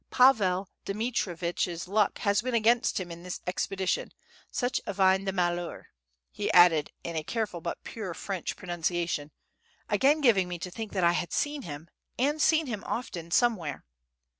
"Pavel Dmitrievitch's luck has been against him in this expedition, such a veine de malheur" he added in a careful but pure French pronunciation, again giving me to think that I had seen him, and seen him often, somewhere.